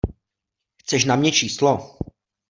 Chceš na mě číslo?